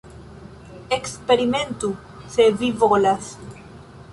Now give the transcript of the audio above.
Eksperimentu, se vi volas.